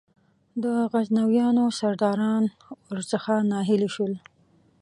د غزنویانو سرداران ور څخه ناهیلي شول.